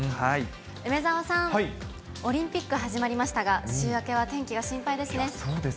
梅澤さん、オリンピック始まりましたが、週明けは天気が心配ですそうです。